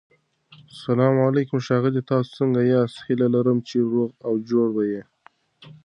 سلام علیکم ښاغلیه تاسو سنګه یاست هيله لرم چی روغ او جوړ به يي